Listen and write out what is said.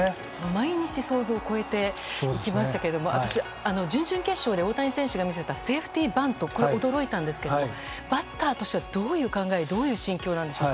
毎日、想像を超えていきましたけれども私、準々決勝で大谷選手が見せたセーフティーバントに驚いたんですがバッターとしてはどういう考えどういう心境なんでしょう。